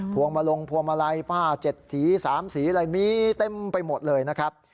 วงมาลงพวงมาลัยผ้า๗สี๓สีอะไรมีเต็มไปหมดเลยนะครับ